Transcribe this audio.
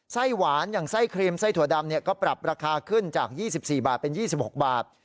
ไส้หวานอย่างไส้ครีมไส้ถั่วดำก็ปรับราคาขึ้นจาก๒๔บาทเป็น๒๖บาท